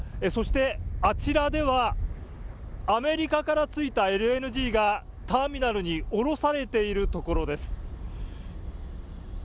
そしてあちらでは、アメリカから着いたＬＮＧが、ターミナルに下ろされているところです。